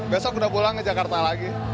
besok udah pulang ke jakarta lagi